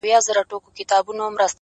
• هغه ډنډ دی له دې ښار څخه دباندي ,